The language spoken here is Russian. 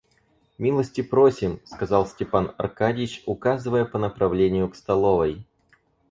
Милости просим, — сказал Степан Аркадьич, указывая по направлению к столовой.